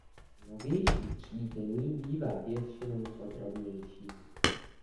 Novější třídění bývá většinou podrobnější.